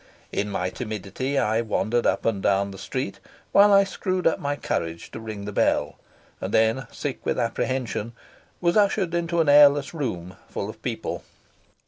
In my timidity I wandered up and down the street while I screwed up my courage to ring the bell; and then, sick with apprehension, was ushered into an airless room full of people.